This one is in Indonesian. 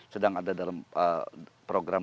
sedang ada dalam program